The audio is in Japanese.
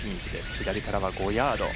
左からは５ヤード。